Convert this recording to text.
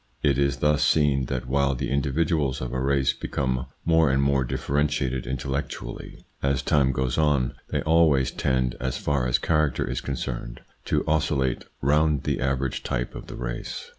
It is thus seen that while the individuals of a race become more and more differentiated intellectually as ITS INFLUENCE ON THEIR EVOLUTION 47 time goes on, they always tend, as far as character is concerned, to oscillate round the average type of the race.